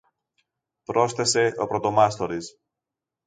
πρόσθεσε ο πρωτομάστορης.